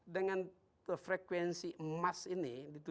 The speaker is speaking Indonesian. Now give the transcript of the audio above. dengan frekuensi emas ini